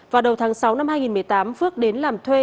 vào đầu tháng sáu năm hai nghìn một mươi tám phước đến làm thuê